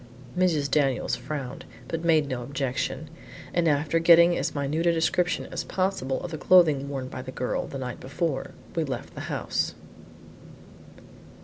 Mrs. Daniels frowned, but made no objection, and after getting as minute a description as possible of the clothing worn by the girl the night before, we left the house.